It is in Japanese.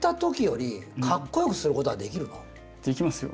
できますよ。